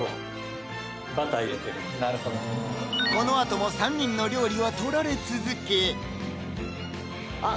このあとも３人の料理は取られ続けあっ